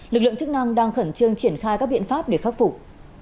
lực lượng chức năng đang khẩn trương triển khai các biện pháp để khắc phục